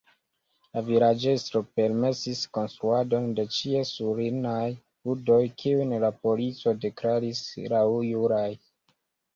La vilaĝestro permesis konstruadon de ĉiesulinaj budoj, kiujn la polico deklaris laŭjuraj.